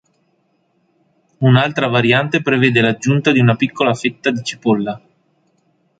Un'altra variante prevede l'aggiunta di una piccola fetta di cipolla.